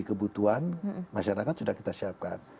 kebutuhan masyarakat sudah kita siapkan